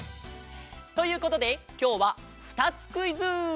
ということできょうはふたつクイズ！